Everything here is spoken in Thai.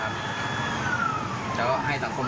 จะให้สังคมประตู๋ธิ์สิ่งดีกว่า